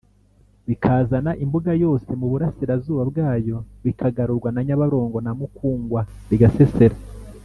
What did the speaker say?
bikazana imbuga yose; mu burasirazuba bwayo bikagarurwa na nyabarongo na mukungwa bigasesera